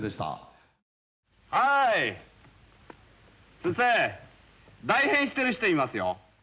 先生代返している人いますよ。